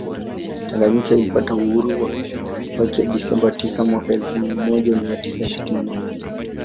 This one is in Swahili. Taganyika ilipata uhuru wake Desemba tisa mwaka elfu moja mia tisa sitini na moja